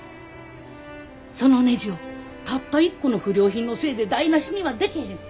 そのねじをたった一個の不良品のせいで台なしにはでけへん。